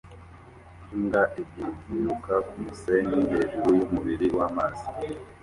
Imbwa ebyiri ziruka kumusenyi hejuru yumubiri wamazi